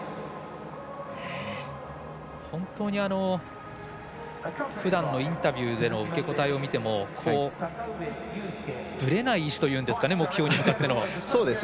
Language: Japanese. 本当にふだんのインタビューでの受け答えを見てもぶれない意思というか目標に向かっての。